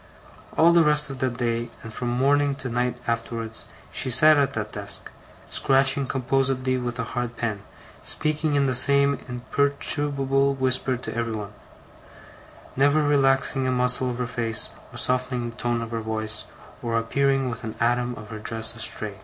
All the rest of that day, and from morning to night afterwards, she sat at that desk, scratching composedly with a hard pen, speaking in the same imperturbable whisper to everybody; never relaxing a muscle of her face, or softening a tone of her voice, or appearing with an atom of her dress astray.